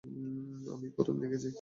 আমিই প্রথম দেখেছি।